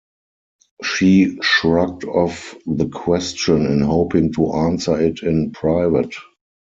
She shrugged off the question in hoping to answer it in private.